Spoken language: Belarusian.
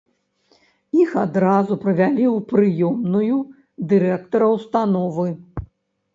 Іх адразу правялі ў прыёмную дырэктара ўстановы.